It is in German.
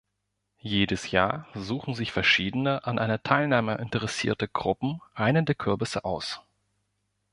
Jedes Jahr suchen sich verschiedene an einer Teilnahme interessierte Gruppen einen der Kürbisse aus.